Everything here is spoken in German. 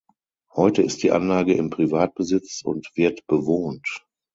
Heute ist die Anlage im Privatbesitz und wird bewohnt.